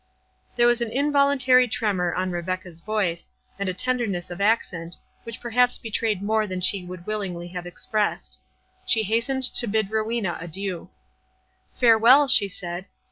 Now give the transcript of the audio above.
There was an involuntary tremour on Rebecca's voice, and a tenderness of accent, which perhaps betrayed more than she would willingly have expressed. She hastened to bid Rowena adieu. "Farewell," she said.